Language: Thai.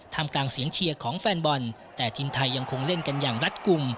ทำกลางเสียงเชียร์ของแฟนบอลแต่ทีมไทยยังคงเล่นกันอย่างรัฐกลุ่ม